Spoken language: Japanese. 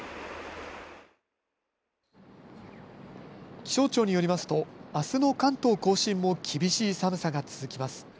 気象庁によりますと、あすの関東甲信も厳しい寒さが続きます。